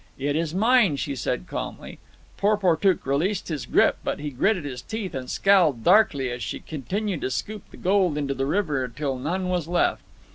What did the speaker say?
"It is mine," she said calmly. Porportuk released his grip, but he gritted his teeth and scowled darkly as she continued to scoop the gold into the river till none was left.